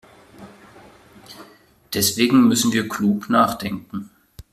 Deswegen müssen wir klug nachdenken.